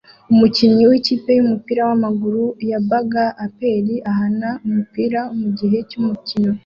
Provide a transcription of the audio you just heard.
Umukinnyi w'ikipe y'umupira w'amaguru ya Baga APR ahana umupira mugihe cy'umukino